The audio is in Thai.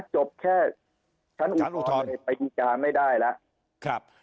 จบแค่ชั้นอุทธรณ์ไปกินการไม่ได้แล้ว